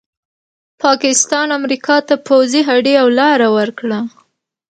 پاکستان امریکا ته پوځي هډې او لاره ورکړه.